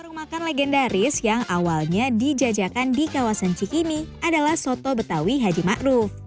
rumah makan legendaris yang awalnya dijajakan di kawasan cikimi adalah soto betawi haji ma'ruf